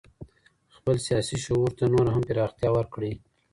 خپل سياسي شعور ته نوره هم پراختيا ورکړئ.